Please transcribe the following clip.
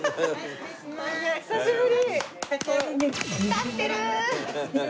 立ってるー！